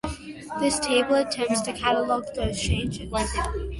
This table attempts to catalogue those changes.